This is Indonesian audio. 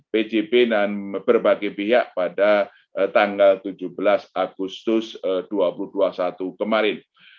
pjb dan berbagai pihak pada tanggal tujuh belas agustus dua ribu dua puluh satu kemarin